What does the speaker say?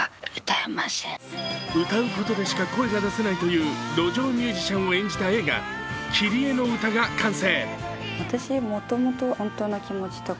歌うことでしか声が出せないという路上ミュージシャンを演じた映画「キリエのうた」が完成。